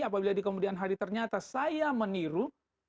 apabila di kemudian hari ternyata saya meniru